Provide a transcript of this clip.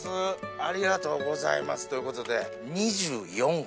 ありがとうございます！ということで。